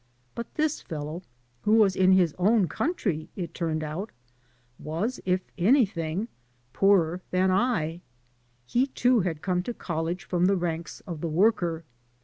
But this fellow, who was in his own country, it turned out, was, if any thing, poorer than L He, too, had come to college from the ranks of the worker.